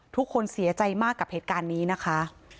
ทุกคนเสียใจมากกับเหตุการณ์นี้นะคะ